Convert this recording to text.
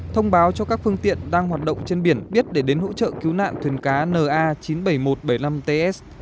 thông báo cho các phương tiện đang hoạt động trên biển biết để đến hỗ trợ cứu nạn thuyền cá na chín mươi bảy nghìn một trăm bảy mươi năm ts